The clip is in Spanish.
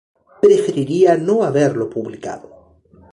Preferiría no haberlo publicado".